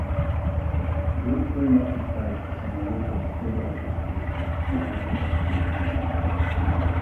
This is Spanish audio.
Club fue más dispar y señaló que la historia de Jesucristo era "algo forzada".